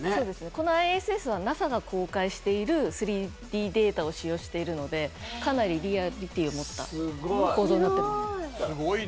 このＩＳＳはＮＡＳＡが公開している３Ｄデータを使用しているのでかなりリアルな構造になっています。